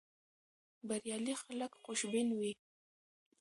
بریالي خلک خوشبین وي.